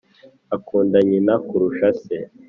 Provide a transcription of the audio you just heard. • akunda nyina kurusha se.